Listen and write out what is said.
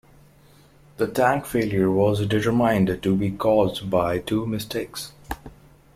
The tank failure was determined to be caused by two mistakes.